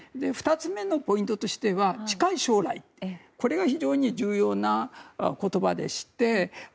２つ目のポイントとしては近い将来これが非常に重要な言葉でして。